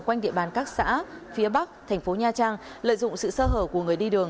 quanh địa bàn các xã phía bắc tp nha trang lợi dụng sự sơ hở của người đi đường